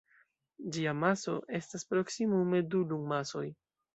Ĝia maso estas proksimume du Lun-masoj.